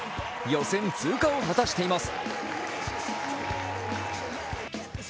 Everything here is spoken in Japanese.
予選通過を果たしています。